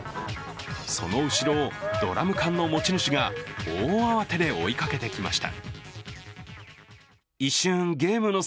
その後ろをドラム缶の持ち主が大慌てで追いかけてきました。